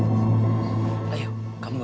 saya ingin dipaulukan juga